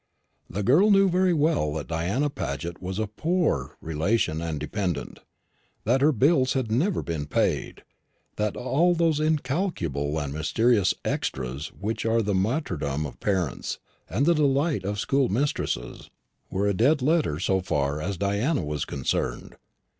The girl knew very well that Diana Paget was a poor relation and dependant; that her bills had never been paid; that all those incalculable and mysterious "extras," which are the martyrdom of parents and the delight of schoolmistresses, were a dead letter so far as Diana was concerned.